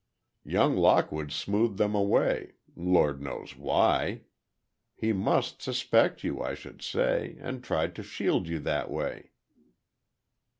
Young Lockwood smoothed them away—Lord knows why! He must suspect you, I should say, and tried to shield you that way."